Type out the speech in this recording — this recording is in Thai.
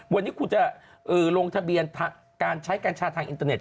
วันนี้คุณจะลงทะเบียนการใช้กัญชาทางอินเทอร์เน็